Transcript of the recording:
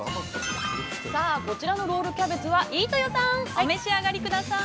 ◆さあ、こちらのロールキャベツは、飯豊さん、お召し上がりください。